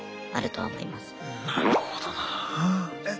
なるほどな。え？